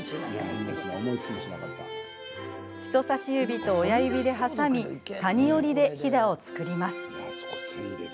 人さし指と親指で挟み谷折りで、ひだを作ります。